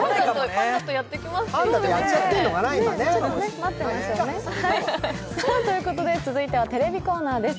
パンダとやっちゃってるのかな、今ということで続いてはテレビコーナーです。